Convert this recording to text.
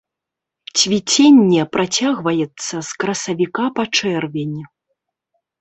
Цвіценне працягваецца з красавіка па чэрвень.